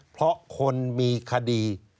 เพราะคนมีคดี